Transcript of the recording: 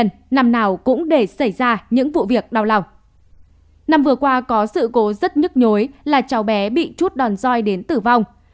năm vừa qua có sự cố rất nhức nhối là cháu bé bị chút đòn roi đến tử vong